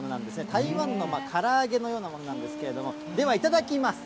台湾のから揚げのようなものなんですけれども、ではいただきます。